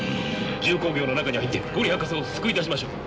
重工業の中に入って五里博士を救い出しましょう。